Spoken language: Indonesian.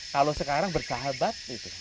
kalau sekarang bersahabat itu